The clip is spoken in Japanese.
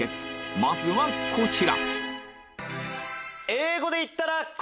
まずはこちら！